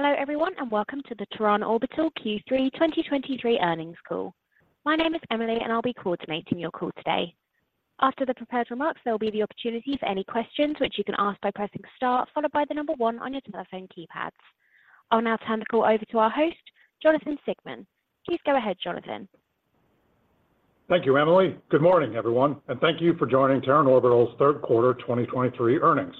Hello, everyone, and welcome to the Terran Orbital Q3 2023 earnings call. My name is Emily, and I'll be coordinating your call today. After the prepared remarks, there will be the opportunity for any questions, which you can ask by pressing star, followed by the number one on your telephone keypads. I'll now turn the call over to our host, Jonathan Siegmann. Please go ahead, Jonathan. Thank you, Emily. Good morning, everyone, and thank you for joining Terran Orbital's third quarter 2023 earnings.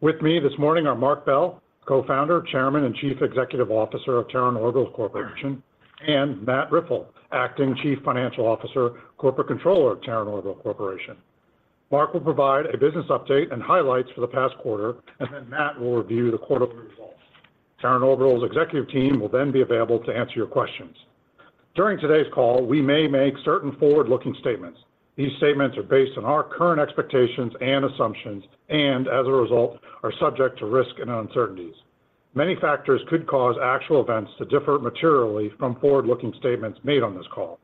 With me this morning are Marc Bell, Co-Founder, Chairman, and Chief Executive Officer of Terran Orbital Corporation, and Mathieu Riffel, Acting Chief Financial Officer, Corporate Controller of Terran Orbital Corporation. Marc will provide a business update and highlights for the past quarter, and then Mathieu will review the quarterly results. Terran Orbital's executive team will then be available to answer your questions. During today's call, we may make certain forward-looking statements. These statements are based on our current expectations and assumptions, and as a result, are subject to risk and uncertainties. Many factors could cause actual events to differ materially from forward-looking statements made on this call.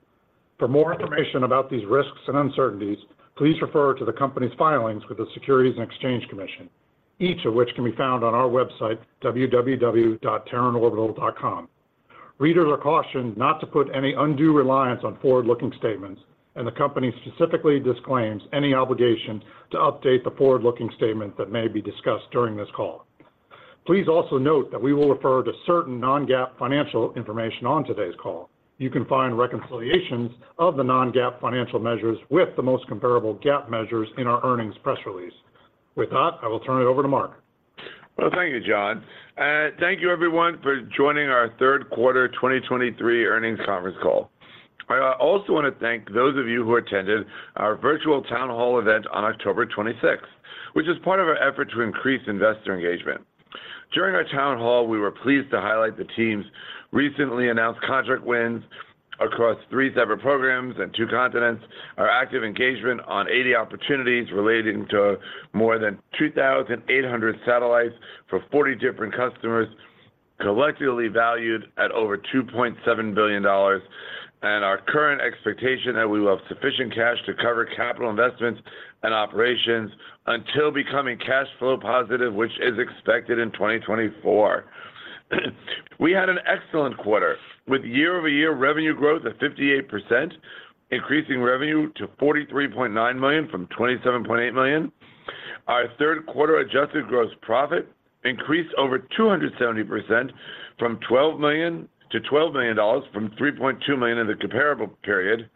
For more information about these risks and uncertainties, please refer to the company's filings with the Securities and Exchange Commission, each of which can be found on our website, www.TerranOrbital.com. Readers are cautioned not to put any undue reliance on forward-looking statements, and the company specifically disclaims any obligation to update the forward-looking statements that may be discussed during this call. Please also note that we will refer to certain non-GAAP financial information on today's call. You can find reconciliations of the non-GAAP financial measures with the most comparable GAAP measures in our earnings press release. With that, I will turn it over to Marc. Well, thank you, Jon, and thank you everyone for joining our third quarter 2023 earnings conference call. I also want to thank those of you who attended our virtual town hall event on October 26th, which is part of our effort to increase investor engagement. During our town hall, we were pleased to highlight the team's recently announced contract wins across three separate programs and two continents, our active engagement on 80 opportunities relating to more than 2,800 satellites for 40 different customers, collectively valued at over $2.7 billion, and our current expectation that we will have sufficient cash to cover capital investments and operations until becoming cash flow positive, which is expected in 2024. We had an excellent quarter, with year-over-year revenue growth of 58%, increasing revenue to $43.9 million from $27.8 million. Our third quarter adjusted gross profit increased over 270% to $12 million from $3.2 million in the comparable period.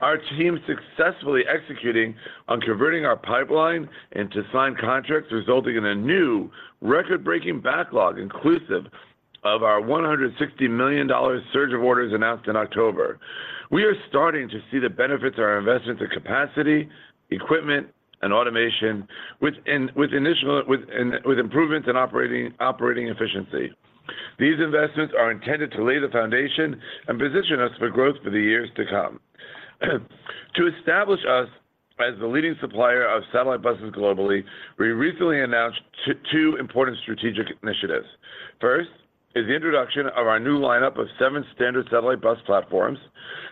Our team successfully executing on converting our pipeline into signed contracts, resulting in a new record-breaking backlog, inclusive of our $160 million surge of orders announced in October. We are starting to see the benefits of our investment to capacity, equipment, and automation, with initial improvements in operating efficiency. These investments are intended to lay the foundation and position us for growth for the years to come. To establish us as the leading supplier of satellite buses globally, we recently announced two important strategic initiatives. First is the introduction of our new lineup of seven standard satellite bus platforms.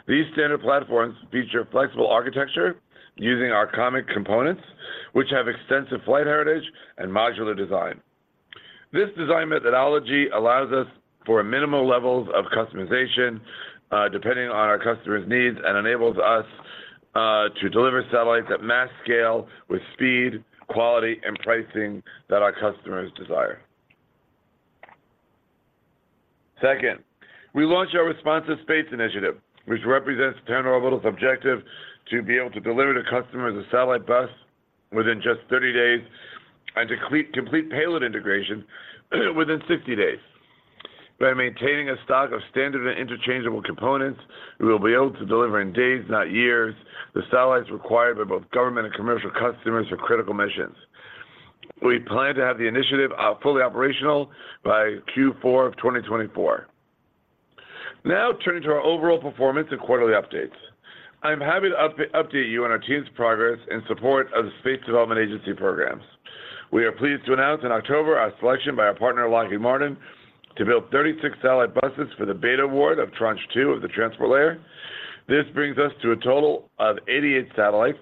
These standard platforms feature flexible architecture using our common components, which have extensive flight heritage and modular design. This design methodology allows us for a minimal levels of customization, depending on our customer's needs, and enables us, to deliver satellites at mass scale with speed, quality, and pricing that our customers desire. Second, we launched our Responsive Space Initiative, which represents Terran Orbital's objective to be able to deliver to customers a satellite bus within just 30 days and complete payload integration, within 60 days. By maintaining a stock of standard and interchangeable components, we will be able to deliver in days, not years, the satellites required by both government and commercial customers for critical missions. We plan to have the initiative, fully operational by Q4 of 2024. Now, turning to our overall performance and quarterly updates. I'm happy to update you on our team's progress in support of the Space Development Agency programs. We are pleased to announce in October our selection by our partner, Lockheed Martin, to build 36 satellite buses for the Beta award of Tranche 2 of the Transport Layer. This brings us to a total of 88 satellites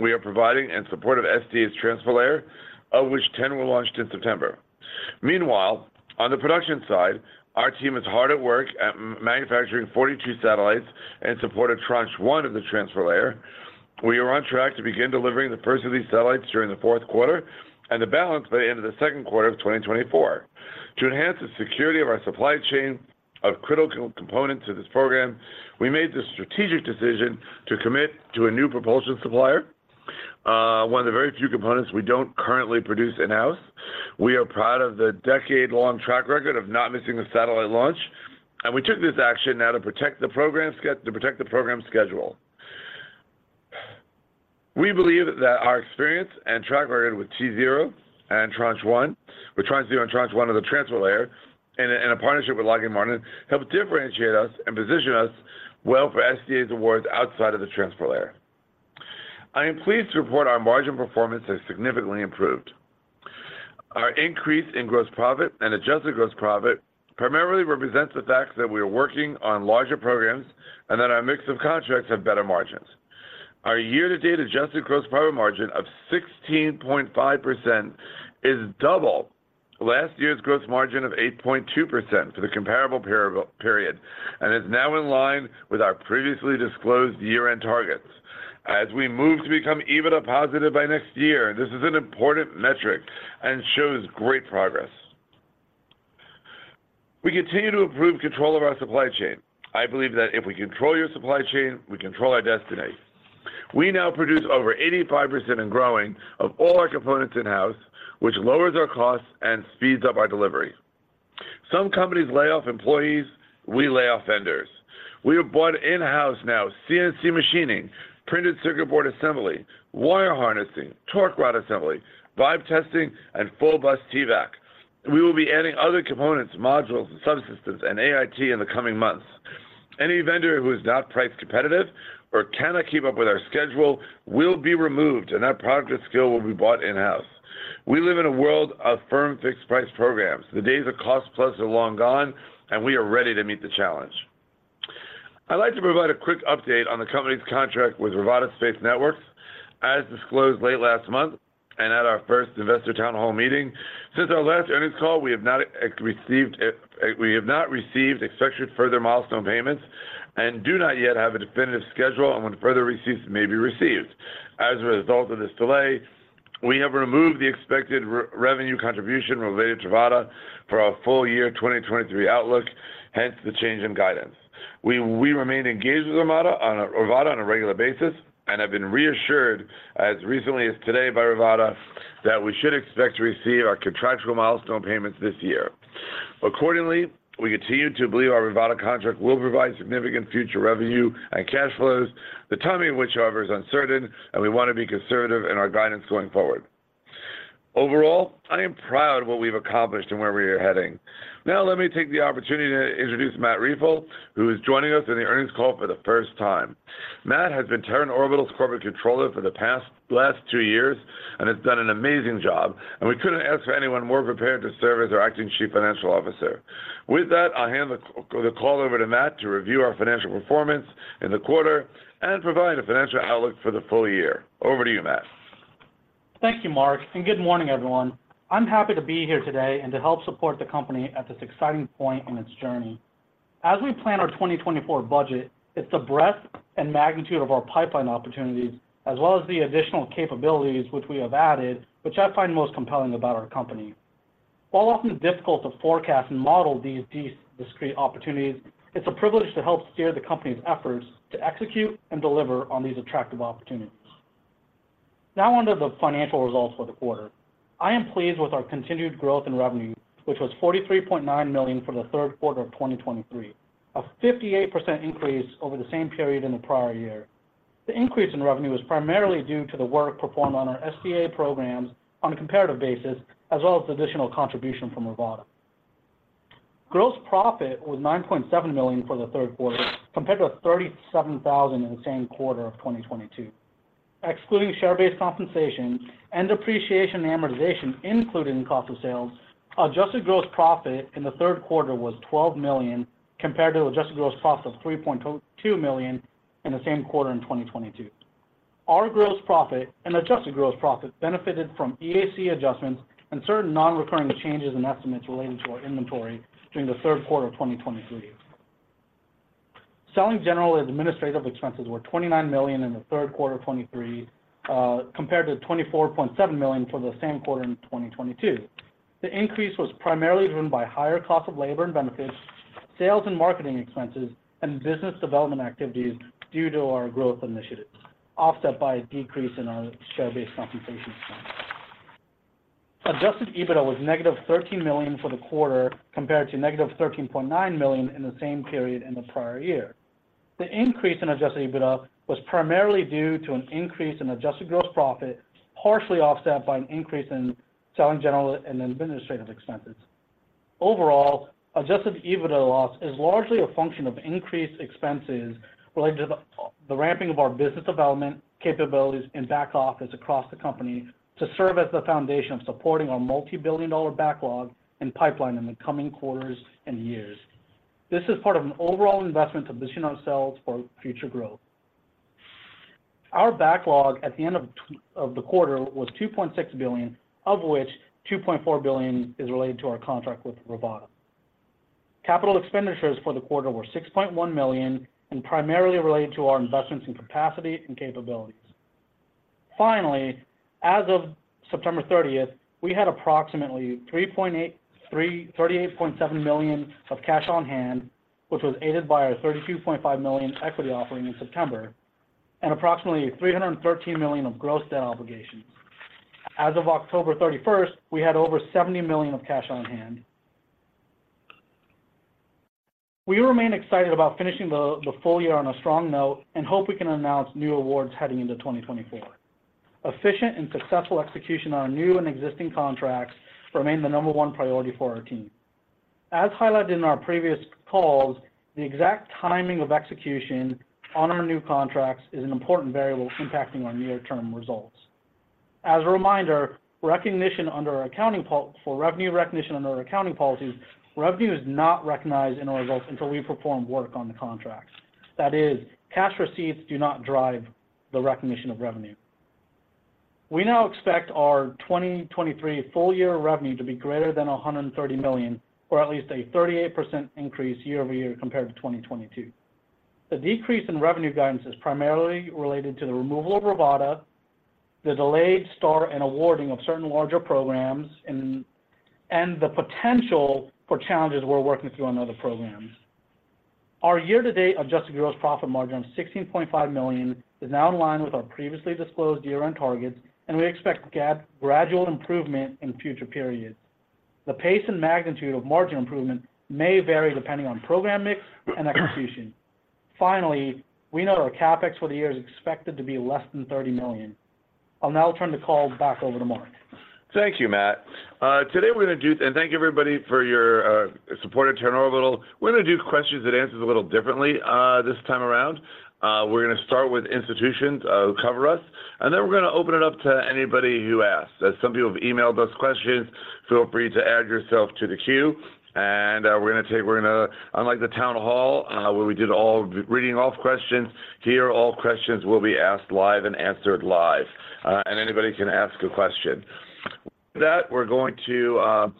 we are providing in support of SDA's Transport Layer, of which 10 were launched in September. Meanwhile, on the production side, our team is hard at work at manufacturing 42 satellites in support of Tranche 1 of the Transport Layer. We are on track to begin delivering the first of these satellites during the fourth quarter and the balance by the end of the second quarter of 2024. To enhance the security of our supply chain of critical components of this program, we made the strategic decision to commit to a new propulsion supplier, one of the very few components we don't currently produce in-house. We are proud of the decade-long track record of not missing a satellite launch, and we took this action now to protect the program schedule. We believe that our experience and track record with T0 and Tranche 1, with Tranche 0 and Tranche 1 of the Transport Layer, and a partnership with Lockheed Martin, help differentiate us and position us well for SDA's awards outside of the Transport Layer. I am pleased to report our margin performance has significantly improved. Our increase in gross profit and adjusted gross profit primarily represents the fact that we are working on larger programs and that our mix of contracts have better margins. Our year-to-date adjusted gross profit margin of 16.5% is double last year's gross margin of 8.2% for the comparable period, and is now in line with our previously disclosed year-end targets. As we move to become EBITDA positive by next year, this is an important metric and shows great progress. We continue to improve control of our supply chain. I believe that if we control your supply chain, we control our destiny. We now produce over 85% and growing of all our components in-house, which lowers our costs and speeds up our delivery. Some companies lay off employees, we lay off vendors. We have bought in-house now CNC machining, printed circuit board assembly, wire harnessing, torque rod assembly, vibe testing, and full bus TVAC. We will be adding other components, modules, and subsystems, and AIT in the coming months. Any vendor who is not price competitive or cannot keep up with our schedule will be removed, and that product or skill will be bought in-house. We live in a world of firm fixed price programs. The days of cost plus are long gone, and we are ready to meet the challenge. I'd like to provide a quick update on the company's contract with Rivada Space Networks. As disclosed late last month and at our first investor town hall meeting, since our last earnings call, we have not received expected further milestone payments and do not yet have a definitive schedule on when further receipts may be received. As a result of this delay, we have removed the expected revenue contribution related to Rivada for our full year 2023 outlook, hence the change in guidance. We remain engaged with Rivada on a regular basis and have been reassured as recently as today by Rivada that we should expect to receive our contractual milestone payments this year. Accordingly, we continue to believe our Rivada contract will provide significant future revenue and cash flows, the timing of which, however, is uncertain, and we want to be conservative in our guidance going forward. Overall, I am proud of what we've accomplished and where we are heading. Now, let me take the opportunity to introduce Matt Riffel, who is joining us in the earnings call for the first time. Matt has been Terran Orbital's corporate controller for the past two years and has done an amazing job, and we couldn't ask for anyone more prepared to serve as our acting Chief Financial Officer. With that, I'll hand the call over to Matt to review our financial performance in the quarter and provide a financial outlook for the full year. Over to you, Matt. Thank you, Marc, and good morning, everyone. I'm happy to be here today and to help support the company at this exciting point on its journey. As we plan our 2024 budget, it's the breadth and magnitude of our pipeline opportunities, as well as the additional capabilities which we have added, which I find most compelling about our company. While often difficult to forecast and model these, these discrete opportunities, it's a privilege to help steer the company's efforts to execute and deliver on these attractive opportunities. Now on to the financial results for the quarter. I am pleased with our continued growth in revenue, which was $43.9 million for the third quarter of 2023, a 58% increase over the same period in the prior year. The increase in revenue was primarily due to the work performed on our SDA programs on a comparative basis, as well as additional contribution from Rivada. Gross profit was $9.7 million for the third quarter, compared to $37,000 in the same quarter of 2022. Excluding share-based compensation and depreciation, amortization included in cost of sales, adjusted gross profit in the third quarter was $12 million, compared to adjusted gross profit of $3.2 million in the same quarter in 2022. Our gross profit and adjusted gross profit benefited from EAC adjustments and certain non-recurring changes in estimates relating to our inventory during the third quarter of 2023. Selling general administrative expenses were $29 million in the third quarter of 2023, compared to $24.7 million for the same quarter in 2022. The increase was primarily driven by higher cost of labor and benefits, sales and marketing expenses, and business development activities due to our growth initiatives, offset by a decrease in our share-based compensation expense. Adjusted EBITDA was negative $13 million for the quarter, compared to negative $13.9 million in the same period in the prior year. The increase in adjusted EBITDA was primarily due to an increase in adjusted gross profit, partially offset by an increase in selling general and administrative expenses. Overall, adjusted EBITDA loss is largely a function of increased expenses related to the ramping of our business development capabilities and back office across the company to serve as the foundation of supporting our multibillion-dollar backlog and pipeline in the coming quarters and years. This is part of an overall investment to position ourselves for future growth. Our backlog at the end of the quarter was $2.6 billion, of which $2.4 billion is related to our contract with Rivada. Capital expenditures for the quarter were $6.1 million and primarily related to our investments in capacity and capabilities. Finally, as of September thirtieth, we had approximately $38.7 million of cash on hand, which was aided by our $32.5 million equity offering in September, and approximately $313 million of gross debt obligations. As of October thirty-first, we had over $70 million of cash on hand. We remain excited about finishing the full year on a strong note and hope we can announce new awards heading into 2024. Efficient and successful execution on our new and existing contracts remain the number one priority for our team. As highlighted in our previous calls, the exact timing of execution on our new contracts is an important variable impacting our near-term results. As a reminder, recognition under our accounting pol- for revenue recognition under our accounting policies, revenue is not recognized in our results until we perform work on the contracts. That is, cash receipts do not drive the recognition of revenue. We now expect our 2023 full year revenue to be greater than $130 million, or at least a 38% increase year-over-year compared to 2022. The decrease in revenue guidance is primarily related to the removal of Rivada, the delayed start and awarding of certain larger programs, and the potential for challenges we're working through on other programs. Our year-to-date adjusted gross profit margin of $16.5 million is now in line with our previously disclosed year-end targets, and we expect gradual improvement in future periods. The pace and magnitude of margin improvement may vary depending on program mix and execution. Finally, we note our CapEx for the year is expected to be less than $30 million. I'll now turn the call back over to Marc. Thank you, Matt. Today we're gonna do—and thank you, everybody, for your support of Terran Orbital. We're gonna do questions and answers a little differently, this time around. We're gonna start with institutions, who cover us, and then we're gonna open it up to anybody who asks. As some people have emailed us questions, feel free to add yourself to the queue, and, we're gonna, unlike the town hall, where we did all the reading off questions, here, all questions will be asked live and answered live, and anybody can ask a question. With that, we're going to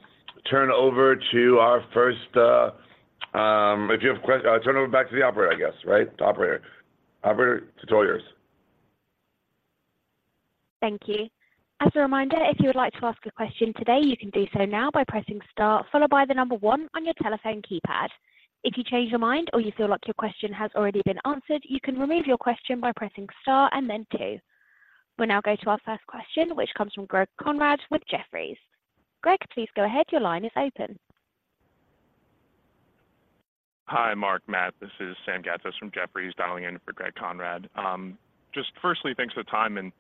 turn over back to the operator, I guess, right? The operator. Operator, it's all yours. Thank you. As a reminder, if you would like to ask a question today, you can do so now by pressing star, followed by the number one on your telephone keypad. If you change your mind or you feel like your question has already been answered, you can remove your question by pressing star and then two. We'll now go to our first question, which comes from Greg Conrad with Jefferies. Greg, please go ahead. Your line is open. Hi, Marc, Matt, this is Sam Gatz from Jefferies, dialing in for Greg Conrad. Just firstly, thanks for the time and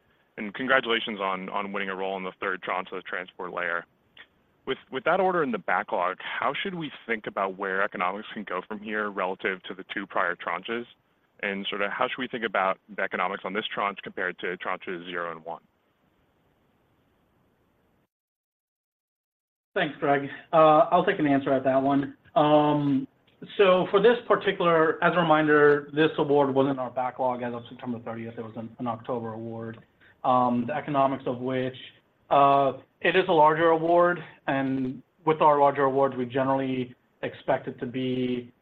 congratulations on winning a role in the third tranche of the transport layer. With that order in the backlog, how should we think about where economics can go from here relative to the two prior tranches? Sort of how should we think about the economics on this tranche compared to tranches zero and one? Thanks, Greg. I'll take an answer at that one. So for this particular— As a reminder, this award was in our backlog as of September 30. It was an October award. The economics of which, it is a larger award, and with our larger awards, we generally expect it to be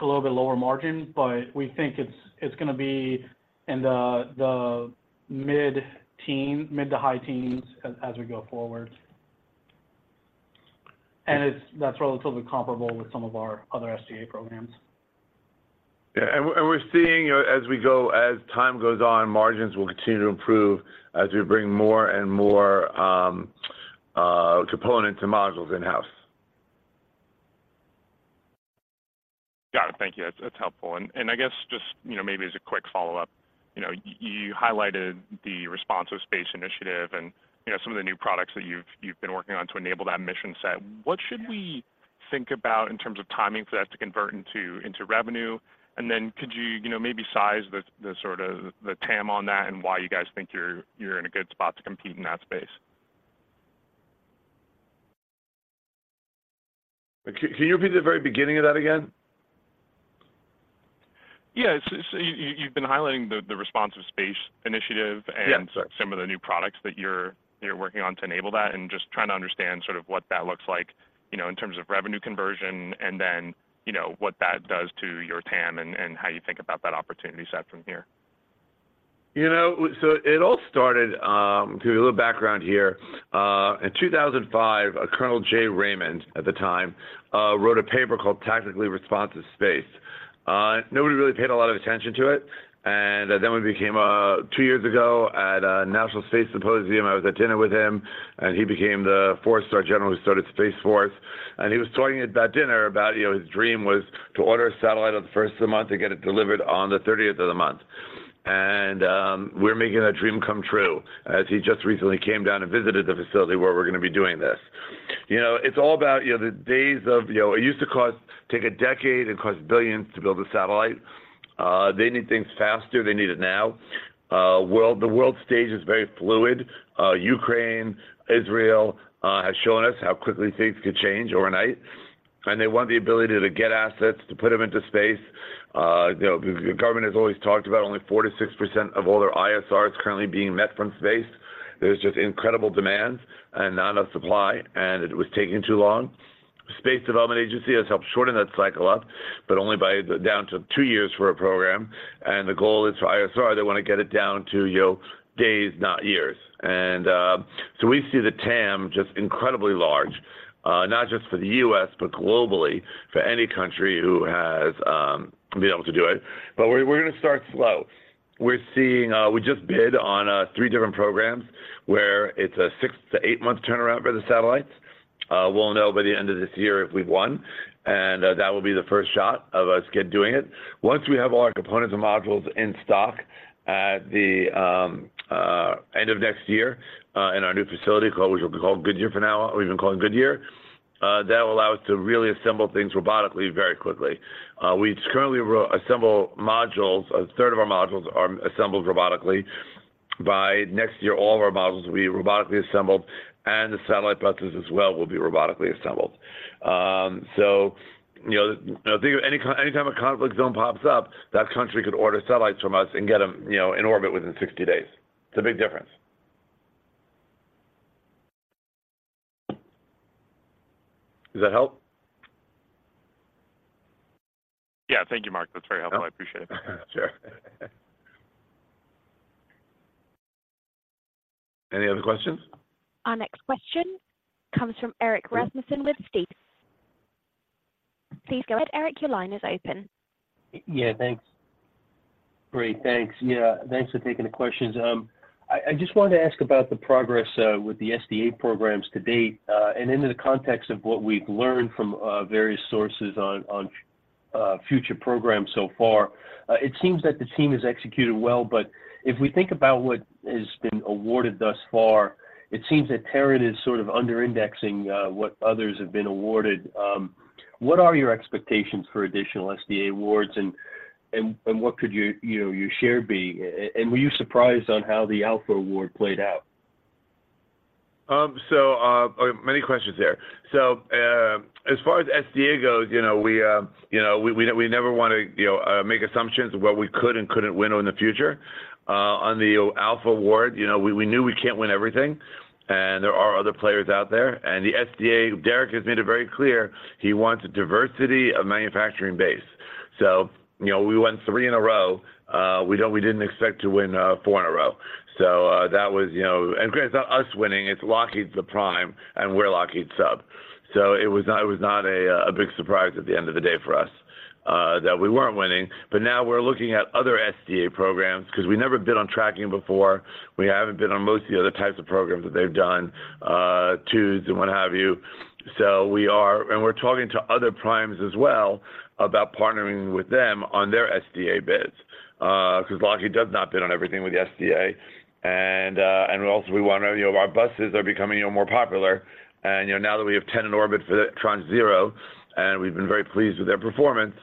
a little bit lower margin, but we think it's gonna be in the mid-teen, mid to high teens as we go forward. And that's relatively comparable with some of our other SDA programs. Yeah, and we're, and we're seeing, as we go, as time goes on, margins will continue to improve as we bring more and more, components and modules in-house. Got it. Thank you. That's helpful. And I guess just, you know, maybe as a quick follow-up, you know, you highlighted the Responsive Space Initiative and, you know, some of the new products that you've been working on to enable that mission set. Yeah. What should we think about in terms of timing for that to convert into revenue? And then could you, you know, maybe size the sort of TAM and why you guys think you're in a good spot to compete in that space? Can you repeat the very beginning of that again? Yeah. So you, you've been highlighting the Responsive Space Initiative- Yeah... and some of the new products that you're, you're working on to enable that, and just trying to understand sort of what that looks like, you know, in terms of revenue conversion, and then, you know, what that does to your TAM and, and how you think about that opportunity set from here. You know, so it all started, give you a little background here. In 2005, a Colonel Jay Raymond, at the time, wrote a paper called Tactically Responsive Space. Nobody really paid a lot of attention to it, and then, two years ago, at a National Space Symposium, I was at dinner with him, and he became the four-star general who started Space Force. And he was talking at that dinner about, you know, his dream was to order a satellite on the first of the month and get it delivered on the thirtieth of the month. And we're making that dream come true, as he just recently came down and visited the facility where we're gonna be doing this. You know, it's all about, you know, the days of, you know, it used to take a decade and cost billions to build a satellite. They need things faster. They need it now. The world stage is very fluid. Ukraine, Israel, has shown us how quickly things could change overnight, and they want the ability to get assets, to put them into space. You know, the government has always talked about only 4%-6% of all their ISRs currently being met from space. There's just incredible demand and not enough supply, and it was taking too long. Space Development Agency has helped shorten that cycle up, but only down to two years for a program, and the goal is for ISR, they want to get it down to, you know, days, not years. So we see the TAM just incredibly large, not just for the U.S., but globally, for any country who has been able to do it. But we're gonna start slow. We're seeing we just bid on 3 different programs, where it's a 6-8-month turnaround for the satellites. We'll know by the end of this year if we've won, and that will be the first shot of us get doing it. Once we have all our components and modules in stock at the end of next year, in our new facility, called, which will be called Goodyear for now, we've been calling Goodyear- that will allow us to really assemble things robotically very quickly. We currently re-assemble modules, a third of our modules are assembled robotically. By next year, all of our modules will be robotically assembled, and the satellite buses as well will be robotically assembled. So you know, anytime, anytime a conflict zone pops up, that country could order satellites from us and get them, you know, in orbit within 60 days. It's a big difference. Does that help? Yeah. Thank you, Marc. That's very helpful. Yeah. I appreciate it. Sure. Any other questions? Our next question comes from Erik Rasmussen with Stifel. Please go ahead, Erik, your line is open. Yeah, thanks. Great. Thanks. Yeah, thanks for taking the questions. I just wanted to ask about the progress with the SDA programs to date. And in the context of what we've learned from various sources on future programs so far. It seems that the team has executed well, but if we think about what has been awarded thus far, it seems that Terran is sort of under indexing what others have been awarded. What are your expectations for additional SDA awards? And what could your, you know, your share be? And were you surprised on how the Alpha Award played out? So, many questions there. So, as far as SDA goes, you know, we never want to, you know, make assumptions of what we could and couldn't win on in the future. On the Alpha award, you know, we knew we can't win everything, and there are other players out there. And the SDA, Derek has made it very clear he wants a diversity of manufacturing base. So, you know, we won three in a row, we didn't expect to win four in a row. So, that was, you know... And granted, it's not us winning, it's Lockheed the prime, and we're Lockheed sub. So it was not a big surprise at the end of the day for us that we weren't winning. But now we're looking at other SDA programs, because we've never been on tracking before. We haven't been on most of the other types of programs that they've done, twos and what have you. So we are and we're talking to other primes as well about partnering with them on their SDA bids. Because Lockheed does not bid on everything with the SDA. And, and also we want to, you know, our buses are becoming, you know, more popular. And, you know, now that we have 10 in orbit for the Tranche 0, and we've been very pleased with their performance,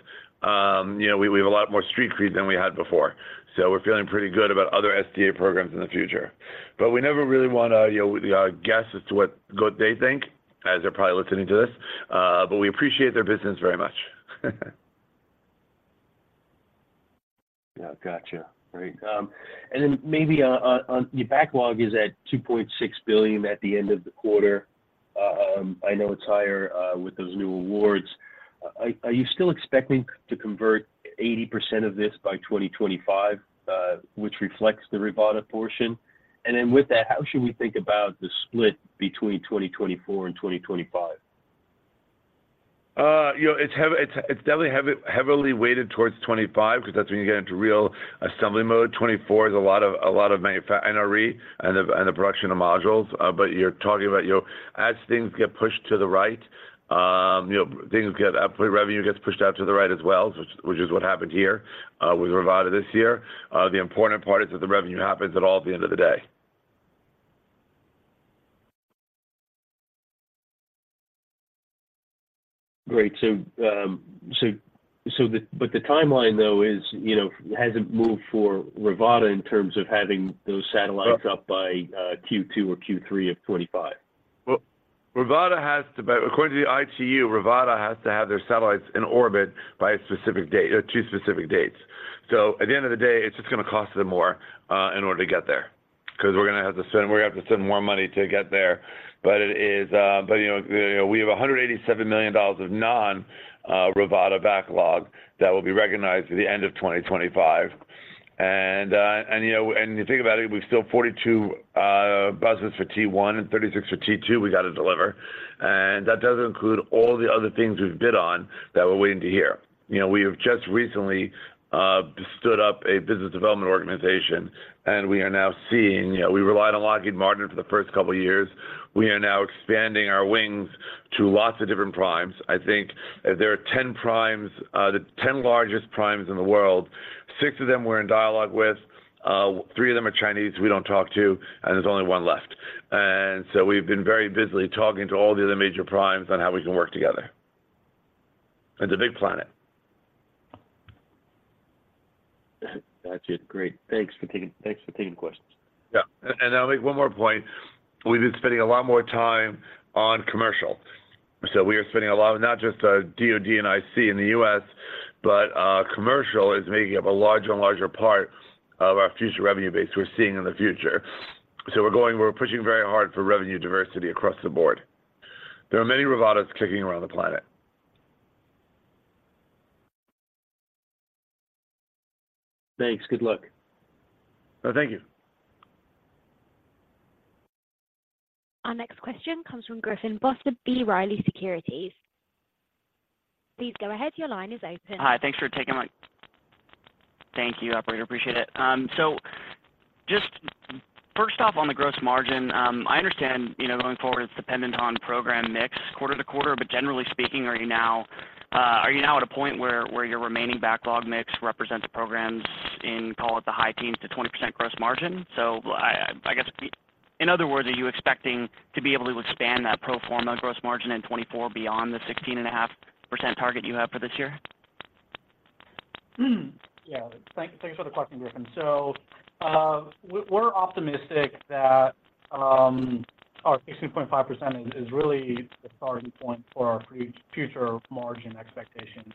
you know, we have a lot more street cred than we had before. So we're feeling pretty good about other SDA programs in the future. But we never really want to, you know, guess as to what good they think as they're probably listening to this, but we appreciate their business very much. Yeah. Gotcha. Great. And then maybe on your backlog is at $2.6 billion at the end of the quarter. I know it's higher with those new awards. Are you still expecting to convert 80% of this by 2025, which reflects the Rivada portion? And then with that, how should we think about the split between 2024 and 2025? You know, it's definitely heavily weighted towards 2025 because that's when you get into real assembly mode. 2024 is a lot of manufacturing NRE and the production of modules. But you're talking about, you know, as things get pushed to the right, you know, revenue gets pushed out to the right as well, which is what happened here with Rivada this year. The important part is that the revenue happens at all at the end of the day. Great. So the... But the timeline, though, is, you know, hasn't moved for Rivada in terms of having those satellites up- Right -by Q2 or Q3 of 2025? Well, Rivada has to—according to the ITU, Rivada has to have their satellites in orbit by a specific date, two specific dates. So at the end of the day, it's just going to cost them more in order to get there, because we're going to have to spend, we're going to have to spend more money to get there. But it is, but, you know, we have $187 million of non-Rivada backlog that will be recognized through the end of 2025. And, and, you know, and you think about it, we've still 42 buses for T1 and 36 for T2 we got to deliver, and that doesn't include all the other things we've bid on that we're waiting to hear. You know, we have just recently stood up a business development organization, and we are now seeing... You know, we relied on Lockheed Martin for the first couple of years. We are now expanding our wings to lots of different primes. I think there are 10 primes, the 10 largest primes in the world, 6 of them we're in dialogue with, 3 of them are Chinese, we don't talk to, and there's only 1 left. And so we've been very busily talking to all the other major primes on how we can work together. It's a big planet. Gotcha. Great. Thanks for taking, thanks for taking the questions. Yeah. And I'll make one more point. We've been spending a lot more time on commercial, so we are spending a lot of not just DoD and IC in the US, but commercial is making up a larger and larger part of our future revenue base we're seeing in the future. So we're going, we're pushing very hard for revenue diversity across the board. There are many Rivadas kicking around the planet. Thanks. Good luck. Thank you. Our next question comes from Griffin Boss, B. Riley Securities. Please go ahead, your line is open. Hi, thanks for taking my... Thank you, Operator, appreciate it. So just first off, on the gross margin, I understand, you know, going forward, it's dependent on program mix quarter to quarter, but generally speaking, are you now, are you now at a point where, where your remaining backlog mix represents programs in, call it, the high teens to 20% gross margin? So I, I guess, in other words, are you expecting to be able to expand that pro forma gross margin in 2024 beyond the 16.5% target you have for this year?... Yeah, thanks for the question, Griffin. So, we're optimistic that our 16.5% is really the starting point for our future margin expectations.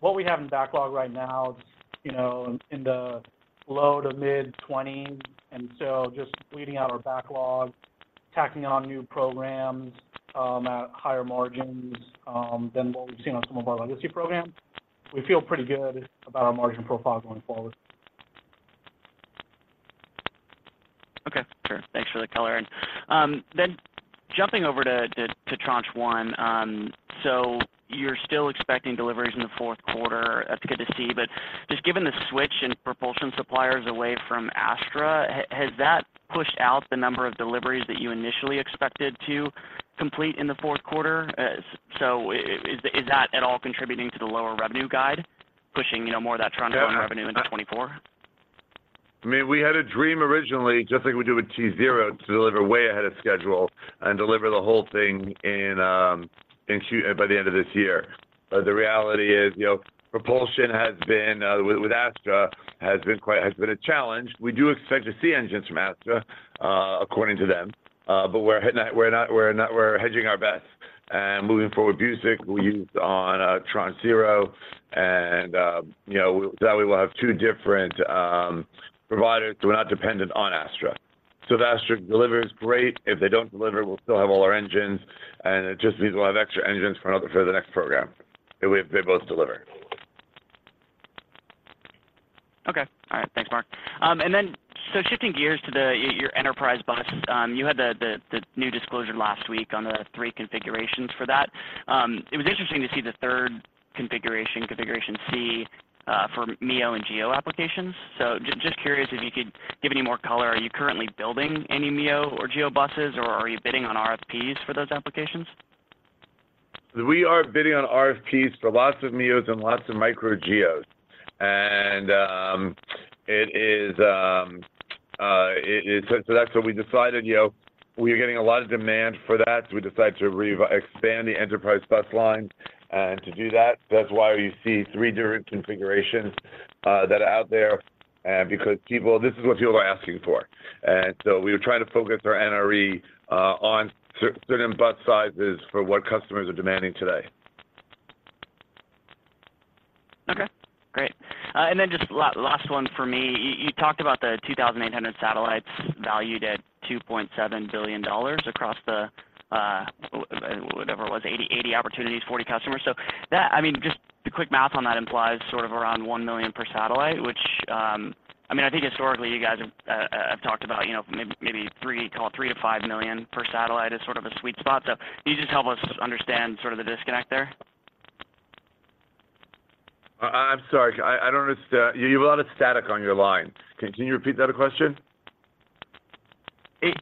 What we have in backlog right now is, you know, in the low-to-mid 20s, and so just leading out our backlog, tacking on new programs at higher margins than what we've seen on some of our legacy programs. We feel pretty good about our margin profile going forward. Okay, sure. Thanks for the color. And then jumping over to Tranche One, so you're still expecting deliveries in the fourth quarter. That's good to see. But just given the switch in propulsion suppliers away from Astra, has that pushed out the number of deliveries that you initially expected to complete in the fourth quarter? So is that at all contributing to the lower revenue guide, pushing, you know, more of that Tranche One revenue into 2024? I mean, we had a dream originally, just like we did with Tranche 0, to deliver way ahead of schedule and deliver the whole thing in Q by the end of this year. But the reality is, you know, propulsion has been with Astra has been a challenge. We do expect to see engines from Astra according to them, but we're hedging our bets. And moving forward, Busek will use on Tranche 0 and, you know, that way we'll have two different providers, so we're not dependent on Astra. So if Astra delivers, great. If they don't deliver, we'll still have all our engines, and it just means we'll have extra engines for the next program, if they both deliver. Okay. All right. Thanks, Marc. And then, so shifting gears to the, your Enterprise Bus, you had the new disclosure last week on the three configurations for that. It was interesting to see the third configuration, Configuration C, for MEO and GEO applications. So just curious if you could give any more color. Are you currently building any MEO or GEO buses, or are you bidding on RFPs for those applications? We are bidding on RFPs for lots of MEOs and lots of micro GEOs. And, it is, so that's what we decided, you know, we are getting a lot of demand for that, so we decided to expand the Enterprise Bus line. And to do that, that's why you see three different configurations that are out there because people this is what people are asking for. And so we were trying to focus our NRE on certain bus sizes for what customers are demanding today. Okay, great. And then just last one for me. You talked about the 2,800 satellites valued at $2.7 billion across the whatever it was, 80 opportunities, 40 customers. So that... I mean, just the quick math on that implies sort of around $1 million per satellite, which, I mean, I think historically, you guys have talked about, you know, maybe, maybe three, call it $3 million–$5 million per satellite is sort of a sweet spot. So can you just help us understand sort of the disconnect there? I'm sorry, I don't understand. You have a lot of static on your line. Can you repeat that question?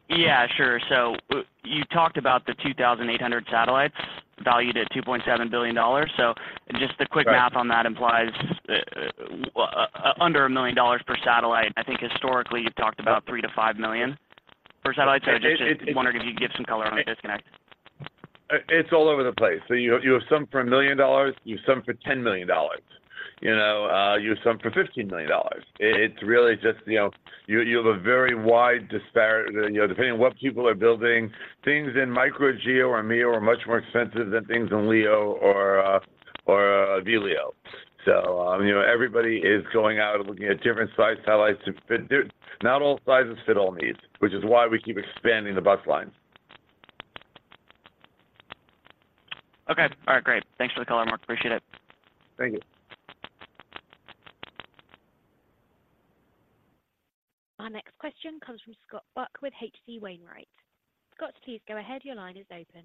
Yeah, sure. So you talked about the 2,800 satellites valued at $2.7 billion. So just the quick- Right... math on that implies under $1 million per satellite. I think historically, you've talked about $3 million–$5 million per satellite. It's, it's- So I just wondered if you could give some color on the disconnect. It's all over the place. So you, you have some for $1 million, you have some for $10 million. You know, you have some for $15 million. It's really just, you know... You, you have a very wide disparity— you know, depending on what people are building, things in micro GEO or MEO are much more expensive than things in LEO or VLEO. So, you know, everybody is going out and looking at different size satellites to fit their— not all sizes fit all needs, which is why we keep expanding the bus line. Okay. All right, great. Thanks for the color, Marc. Appreciate it. Thank you. Our next question comes from Scott Buck with H.C. Wainwright. Scott, please go ahead. Your line is open.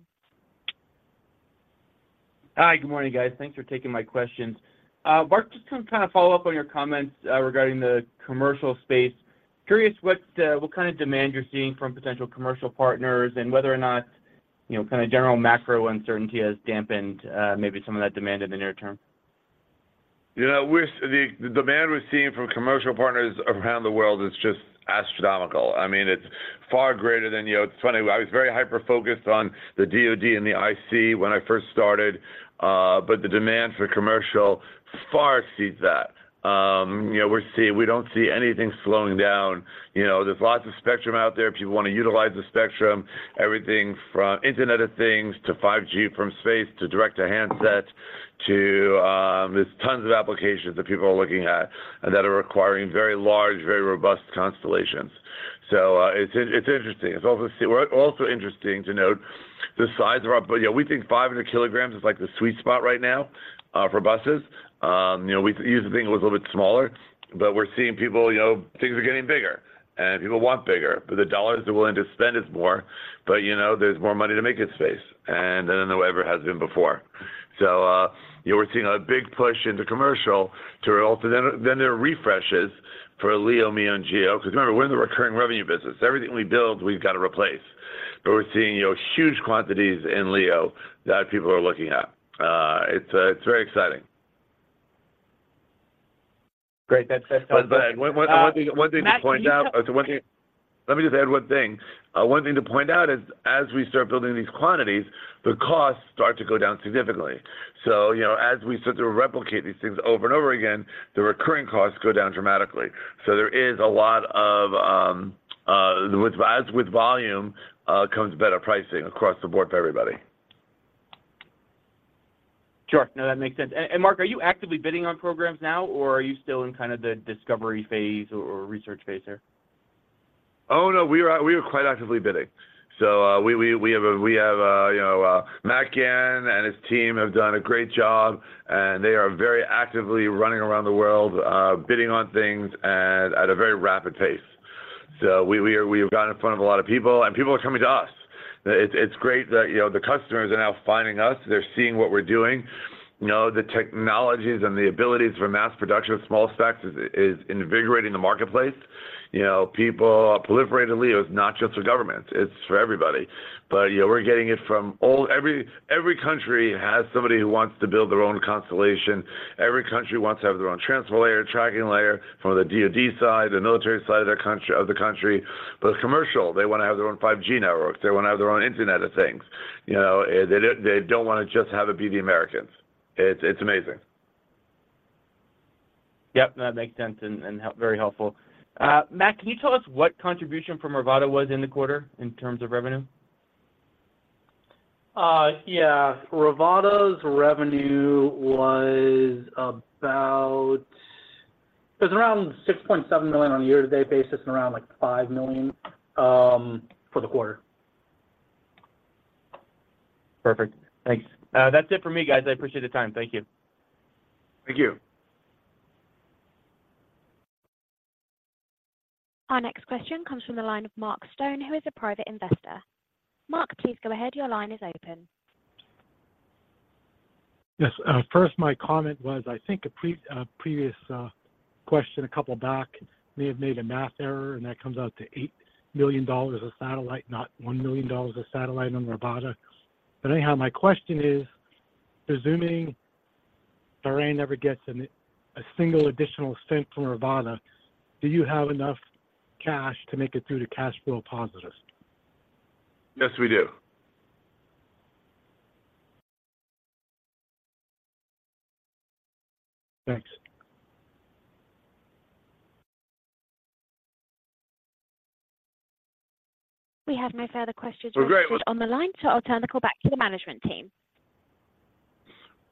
Hi, good morning, guys. Thanks for taking my questions. Marc, just to kind of follow up on your comments, regarding the commercial space. Curious what, what kind of demand you're seeing from potential commercial partners and whether or not, you know, kind of general macro uncertainty has dampened, maybe some of that demand in the near term. You know, the demand we're seeing from commercial partners around the world is just astronomical. I mean, it's far greater than you. It's funny, I was very hyper-focused on the DoD and the IC when I first started, but the demand for commercial far exceeds that. You know, we don't see anything slowing down. You know, there's lots of spectrum out there. People want to utilize the spectrum, everything from Internet of Things to 5G from space to direct-to-handset to... There's tons of applications that people are looking at and that are requiring very large, very robust constellations. So, it's interesting. It's also interesting to note the size of our bus. You know, we think 500 kilograms is, like, the sweet spot right now for buses. You know, we used to think it was a little bit smaller, but we're seeing people, you know, things are getting bigger and people want bigger, but the dollars they're willing to spend is more. But, you know, there's more money to make in space, and, than there ever has been before. So, you know, we're seeing a big push into commercial to result. Then there are refreshes for LEO, MEO, and GEO, because remember, we're in the recurring revenue business. Everything we build, we've got to replace. But we're seeing, you know, huge quantities in LEO that people are looking at. It's very exciting. ... Great. That's, But one thing to point out- Matt, can you- So one thing. Let me just add one thing. One thing to point out is, as we start building these quantities, the costs start to go down significantly. So, you know, as we start to replicate these things over and over again, the recurring costs go down dramatically. So there is a lot of, as with volume, comes better pricing across the board for everybody. Sure. No, that makes sense. And Marc, are you actively bidding on programs now, or are you still in kind of the discovery phase or, or research phase here? Oh, no, we are quite actively bidding. So, you know, Matt Gannon and his team have done a great job, and they are very actively running around the world, bidding on things and at a very rapid pace. So, we are. We've gotten in front of a lot of people, and people are coming to us. It's great that, you know, the customers are now finding us. They're seeing what we're doing. You know, the technologies and the abilities for mass production of small sats is invigorating the marketplace. You know, people are proliferating LEOs, not just for government. It's for everybody. But, you know, we're getting it from all... Every country has somebody who wants to build their own constellation. Every country wants to have their own Transport Layer, Tracking Layer from the DoD side, the military side of the country, of the country. But commercial, they wanna have their own 5G networks. They wanna have their own Internet of Things, you know. They don't, they don't wanna just have it be the Americans. It's, it's amazing. Yep, that makes sense and helpful, very helpful. Matt, can you tell us what contribution from Rivada was in the quarter in terms of revenue? Yeah. Rivada's revenue was about... It was around $6.7 million on a year-to-date basis and around, like, $5 million for the quarter. Perfect. Thanks. That's it for me, guys. I appreciate the time. Thank you. Thank you. Our next question comes from the line of Mark Stone, who is a private investor. Mark, please go ahead. Your line is open. Yes. First, my comment was, I think a previous question a couple back may have made a math error, and that comes out to $8 million a satellite, not $1 million a satellite on Rivada. But anyhow, my question is, assuming Terran never gets a single additional cent from Rivada, do you have enough cash to make it through to cash flow positive? Yes, we do. Thanks. We have no further questions. Well, great- On the line, so I'll turn the call back to the management team.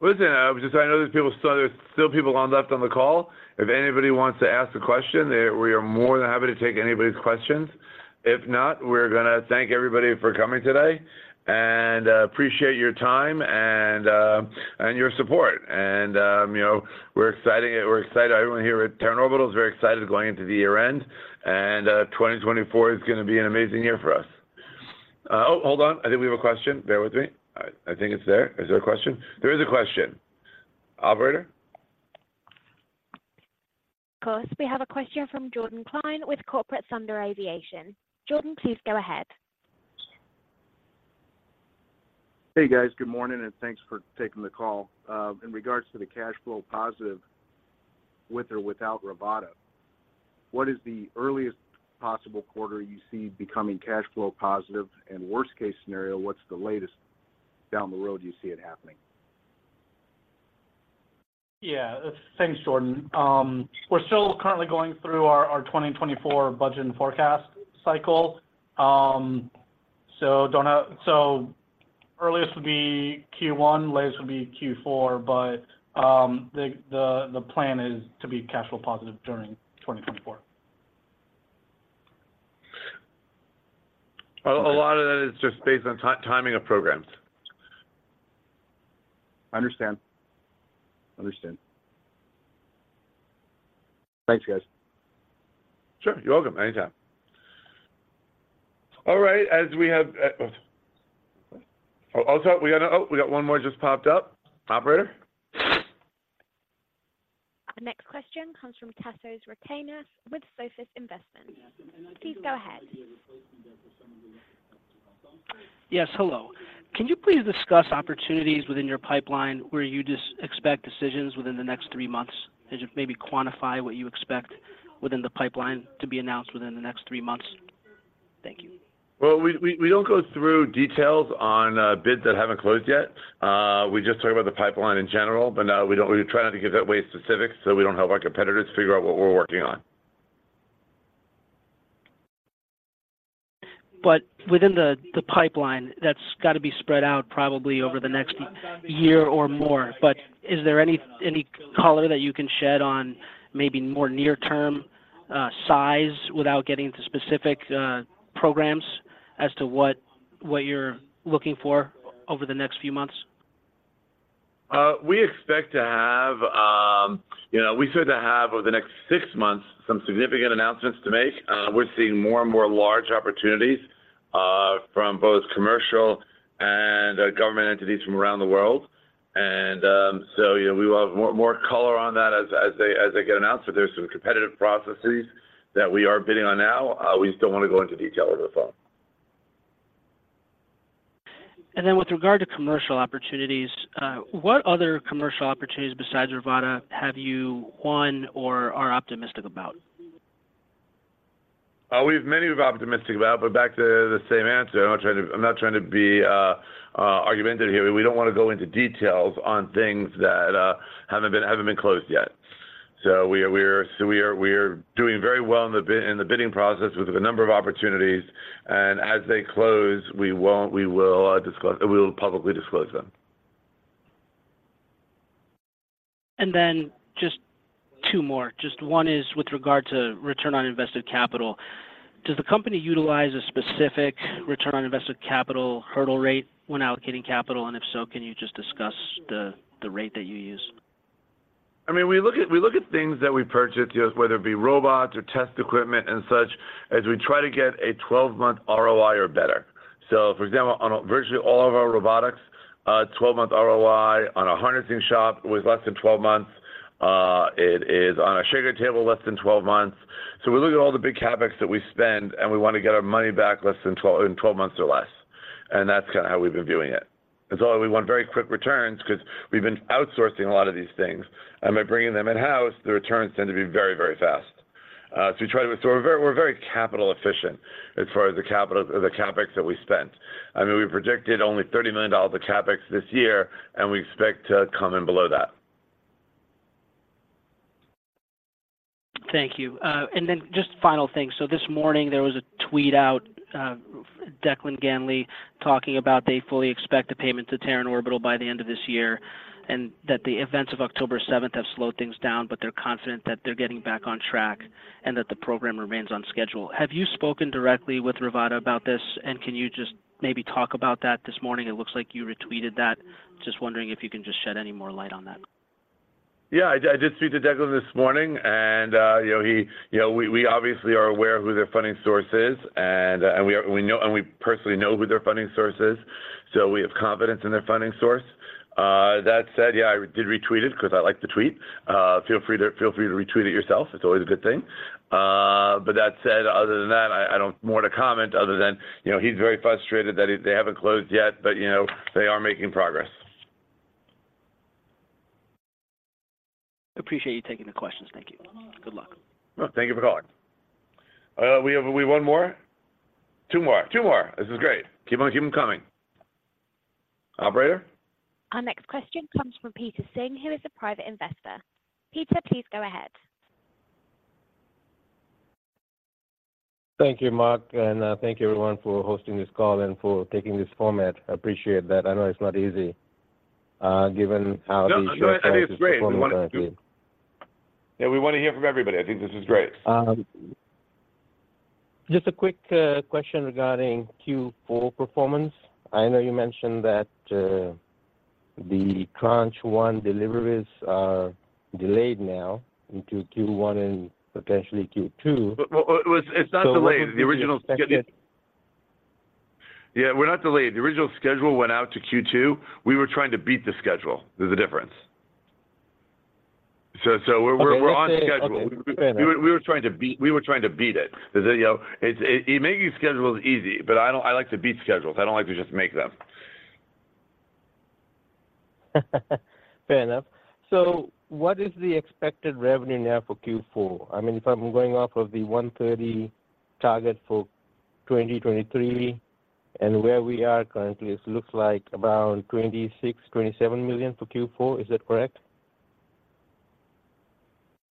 Listen, just I know there's people still, there's still people on, left on the call. If anybody wants to ask a question, they... We are more than happy to take anybody's questions. If not, we're gonna thank everybody for coming today and, appreciate your time and, and your support. And, you know, we're exciting, we're excited. Everyone here at Terran Orbital is very excited going into the year-end, and, 2024 is gonna be an amazing year for us. Oh, hold on. I think we have a question. Bear with me. I, I think it's there. Is there a question? There is a question. Operator? Of course. We have a question from Jordan Klein with Corporate Thunder Aviation. Jordan, please go ahead. Hey, guys. Good morning, and thanks for taking the call. In regards to the cash flow positive, with or without Rivada, what is the earliest possible quarter you see becoming cash flow positive? And worst-case scenario, what's the latest down the road you see it happening? Yeah. Thanks, Jordan. We're still currently going through our 2024 budget and forecast cycle. So don't know. So earliest would be Q1, latest would be Q4, but the plan is to be cash flow positive during 2024. A lot of that is just based on timing of programs. Understand. Understand. Thanks, guys. Sure. You're welcome. Anytime. All right, as we have. Oh, also, we got one more just popped up. Operator? Our next question comes from Tasso Recachinas with Sophis Investments. Please go ahead. Yes, hello. Can you please discuss opportunities within your pipeline where you just expect decisions within the next three months and just maybe quantify what you expect within the pipeline to be announced within the next three months? Thank you. Well, we don't go through details on bids that haven't closed yet. We just talk about the pipeline in general, but we don't, we try not to give that away specifics, so we don't help our competitors figure out what we're working on. But within the pipeline, that's got to be spread out probably over the next year or more. But is there any color that you can shed on maybe more near-term size without getting into specific programs as to what you're looking for over the next few months? We expect to have, you know, we expect to have, over the next six months, some significant announcements to make. We're seeing more and more large opportunities, from both commercial and government entities from around the world. So, you know, we will have more, more color on that as, as they, as they get announced. There's some competitive processes that we are bidding on now. We just don't want to go into detail over the phone. ...with regard to commercial opportunities, what other commercial opportunities besides Rivada have you won or are optimistic about? We have many we're optimistic about, but back to the same answer, I'm not trying to, I'm not trying to be, argumentative here. We don't want to go into details on things that, haven't been, haven't been closed yet. So we are, we're, so we are, we're doing very well in the bid, in the bidding process with a number of opportunities, and as they close, we won't, we will, disclose, we'll publicly disclose them. Then just two more. Just one is with regard to return on invested capital. Does the company utilize a specific return on invested capital hurdle rate when allocating capital? And if so, can you just discuss the, the rate that you use? I mean, we look at, we look at things that we purchase, whether it be robots or test equipment and such, as we try to get a 12-month ROI or better. So for example, on virtually all of our robotics, a 12-month ROI on a harnessing shop with less than 12 months, it is on a shaker table, less than 12 months. So we look at all the big CapEx that we spend, and we want to get our money back less than 12-- in 12 months or less. And that's how we've been doing it. And so we want very quick returns 'cause we've been outsourcing a lot of these things, and by bringing them in-house, the returns tend to be very, very fast. So we're very, we're very capital efficient as far as the capital, the CapEx that we spent. I mean, we projected only $30 million of CapEx this year, and we expect to come in below that. Thank you. And then just final thing. So this morning, there was a tweet out, Declan Ganley, talking about they fully expect a payment to Terran Orbital by the end of this year, and that the events of October seventh have slowed things down, but they're confident that they're getting back on track and that the program remains on schedule. Have you spoken directly with Rivada about this, and can you just maybe talk about that this morning? It looks like you retweeted that. Just wondering if you can just shed any more light on that. Yeah, I did, I did speak to Declan this morning, and, you know, he. You know, we, we obviously are aware of who their funding source is, and, we know, and we personally know who their funding source is, so we have confidence in their funding source. That said, yeah, I did retweet it because I like the tweet. Feel free to, feel free to retweet it yourself. It's always a good thing. But that said, other than that, I, I don't have more to comment other than, you know, he's very frustrated that it, they haven't closed yet, but, you know, they are making progress. Appreciate you taking the questions. Thank you. Good luck. Thank you for calling. We have one more? Two more, two more. This is great. Keep on, keep them coming. Operator? Our next question comes from Peter Singh, who is a private investor. Peter, please go ahead. Thank you, Marc, and thank you everyone for hosting this call and for taking this format. I appreciate that. I know it's not easy, given how these- No, no, I think it's great. We wanna do... Yeah, we wanna hear from everybody. I think this is great. Just a quick question regarding Q4 performance. I know you mentioned that the Tranche 1 deliveries are delayed now into Q1 and potentially Q2. Well, well, it's not delayed. What is the expected? The original... Yeah, we're not delayed. The original schedule went out to Q2. We were trying to beat the schedule. There's a difference. So, so we're- Okay, I see. We're on schedule. Okay, fair enough. We were trying to beat it. You know, it's making schedule is easy, but I don't... I like to beat schedules. I don't like to just make them. Fair enough. So what is the expected revenue now for Q4? I mean, if I'm going off of the $130 million target for 2023 and where we are currently, it looks like around $26-$27 million for Q4. Is that correct?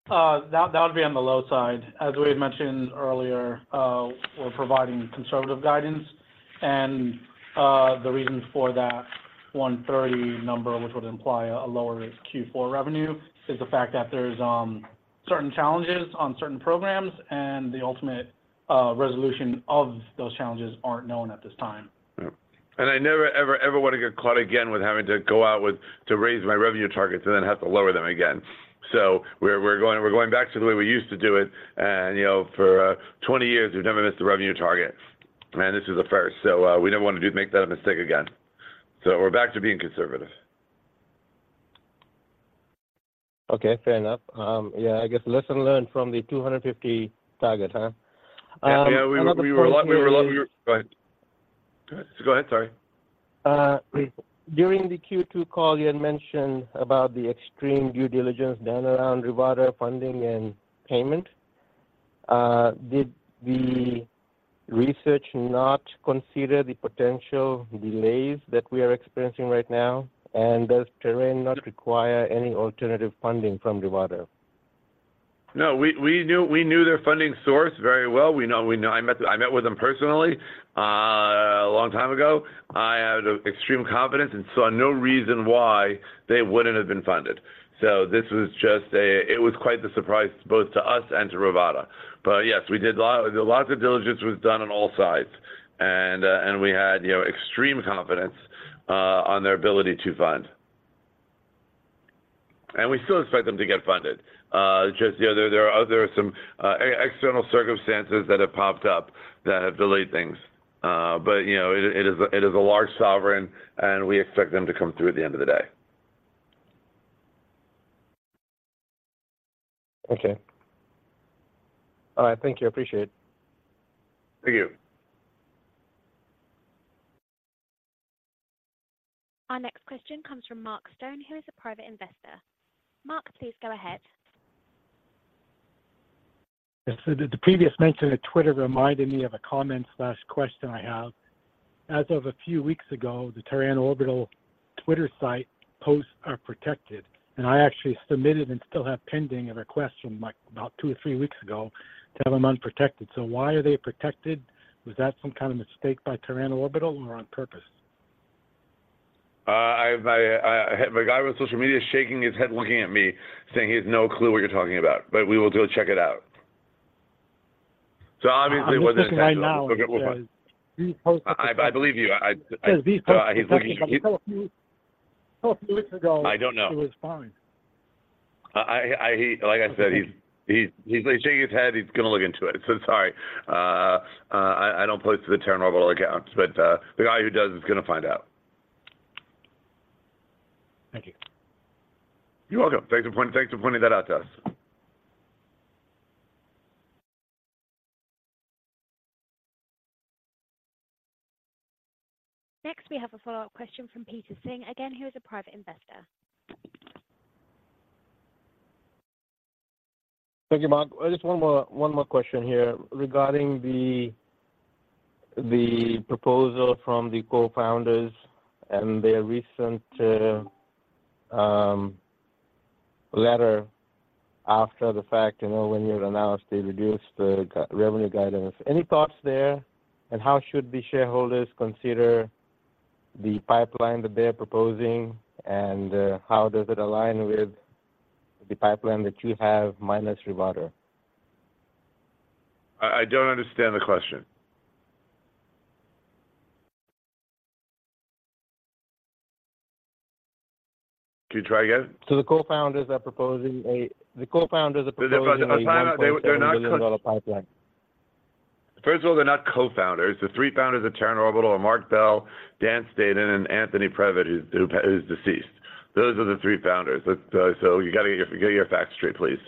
That would be on the low side. As we had mentioned earlier, we're providing conservative guidance, and the reasons for that $130 number, which would imply a lower Q4 revenue, is the fact that there's certain challenges on certain programs, and the ultimate resolution of those challenges aren't known at this time. I never, ever, ever want to get caught again with having to go out with to raise my revenue targets and then have to lower them again. So we're, we're going, we're going back to the way we used to do it. And, you know, for 20 years, we've never missed a revenue target, and this is the first. So we never want to do, make that a mistake again. So we're back to being conservative. Okay, fair enough. Yeah, I guess lesson learned from the 250 target, huh? Another point- Yeah, we were a lot... Go ahead. Go ahead, sorry. During the Q2 call, you had mentioned about the extreme due diligence done around Rivada funding and payment. Did the research not consider the potential delays that we are experiencing right now? And does Terran not require any alternative funding from Rivada? No, we knew their funding source very well. We know. I met with them personally a long time ago. I had extreme confidence and saw no reason why they wouldn't have been funded. So this was just a... It was quite the surprise both to us and to Rivada. But yes, we did lots of diligence was done on all sides, and we had, you know, extreme confidence on their ability to fund. And we still expect them to get funded. Just, you know, there are other external circumstances that have popped up that have delayed things. But, you know, it is a large sovereign, and we expect them to come through at the end of the day.... Okay. All right, thank you. I appreciate it. Thank you. Our next question comes from Mark Stone, who is a private investor. Mark, please go ahead. Yes, so the previous mention of Twitter reminded me of a comment/question I have. As of a few weeks ago, the Terran Orbital Twitter site posts are protected, and I actually submitted and still have pending a request from, like, about two or three weeks ago to have them unprotected. So why are they protected? Was that some kind of mistake by Terran Orbital or on purpose? I have a guy on social media shaking his head, looking at me, saying he has no clue what you're talking about, but we will go check it out. So obviously, he wasn't- I'm looking at it right now, and it says- I believe you. It says these posts- I, he's looking. A few weeks ago. I don't know. It was fine. Like I said, he's shaking his head. He's gonna look into it. So sorry. I don't post to the Terran Orbital accounts, but the guy who does is gonna find out. Thank you. You're welcome. Thanks for pointing that out to us. Next, we have a follow-up question from Peter Singh, again, who is a private investor. Thank you, Mark. Just one more, one more question here regarding the proposal from the co-founders and their recent letter after the fact, you know, when you had announced they reduced the revenue guidance. Any thoughts there, and how should the shareholders consider the pipeline that they're proposing, and how does it align with the pipeline that you have minus Rivada? I don't understand the question. Can you try again? So the co-founders are proposing... They're proposing. They're not- A billion-dollar pipeline. First of all, they're not co-founders. The three founders of Terran Orbital are Marc Bell, Dan Staton, and Anthony Previte, who is deceased. Those are the three founders. So you got to get your facts straight, please.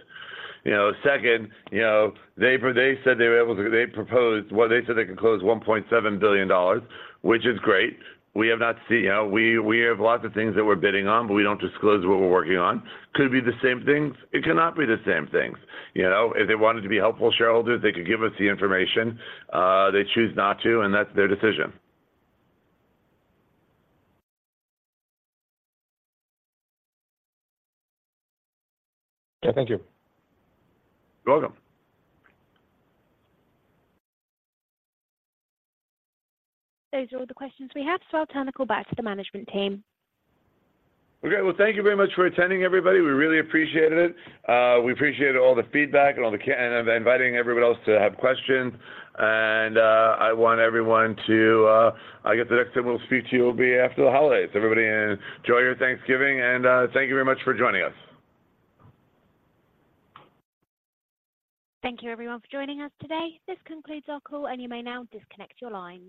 You know, second, you know, they said they were able to... They proposed, well, they said they can close $1.7 billion, which is great. We have not seen... You know, we have lots of things that we're bidding on, but we don't disclose what we're working on. Could it be the same things? It cannot be the same things. You know, if they wanted to be helpful shareholders, they could give us the information. They choose not to, and that's their decision. Okay. Thank you. You're welcome. Those are all the questions we have, so I'll turn it back to the management team. Okay. Well, thank you very much for attending, everybody. We really appreciated it. We appreciated all the feedback and inviting everyone else to have questions. And, I want everyone to, I guess, the next time we'll speak to you will be after the holidays. Everybody, enjoy your Thanksgiving, and, thank you very much for joining us. Thank you, everyone, for joining us today. This concludes our call, and you may now disconnect your lines.